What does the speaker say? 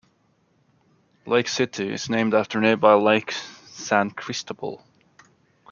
Lake City is named after nearby Lake San Cristobal.